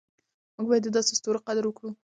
موږ باید د داسې ستورو قدر وکړو.